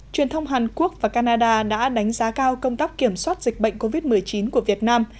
truyền thông hàn quốc và canada đã đánh giá cao công tác kiểm soát dịch bệnh covid một mươi chín của việt nam